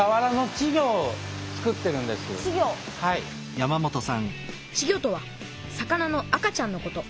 稚魚とは魚の赤ちゃんのこと。